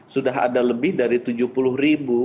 sudah ada lebih dari tujuh puluh ribu